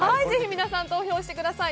皆さん投票してください。